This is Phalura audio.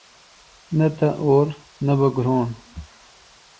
نہ تہ اور نہ بہ گھروݨ۔